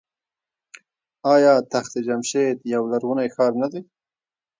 آیا تخت جمشید یو لرغونی ښار نه دی؟